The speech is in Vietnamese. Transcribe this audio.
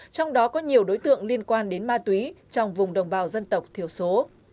trong đó có nhiều đối tượng liên quan đến ma túy trong vùng đồng bào dân tộc thiểu số